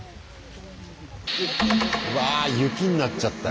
わあ雪になっちゃったよ。